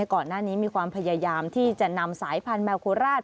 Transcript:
ก่อนหน้านี้มีความพยายามที่จะนำสายพันธุแมวโคราช